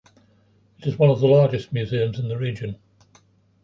It is one of the largest museums in the region.